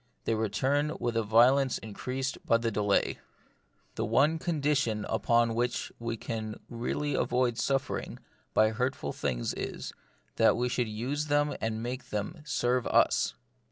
They return with a violence increased by the delay. The one condition upon which we can really avoid suffering by hurtful things is, that we should use them and make them serve us.